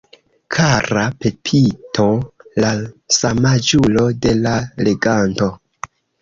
Kara Pepito, la samaĝulo de la leganto!